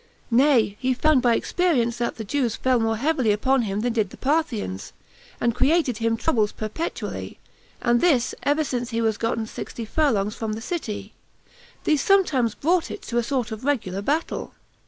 Nay, he found by experience that the Jews fell more heavily upon him than did the Parthians, and created him troubles perpetually, and this ever since he was gotten sixty furlongs from the city; these sometimes brought it to a sort of a regular battle.